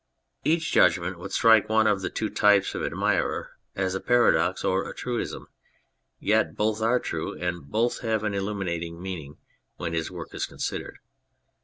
Each judgment would strike one of the two types of admirer as a paradox or a truism. Yet both are true, and both have an illuminating meaning when his work is considered.